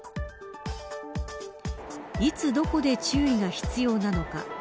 いつ、どこで注意が必要なのか。